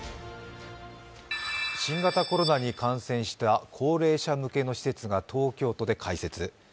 新型コロナに感染した高齢者向けの施設が東京都で開設。